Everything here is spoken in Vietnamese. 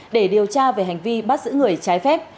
để điều tra về hành vi bắt giữ người trái phép